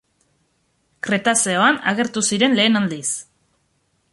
Kretazeoan agertu ziren lehen aldiz.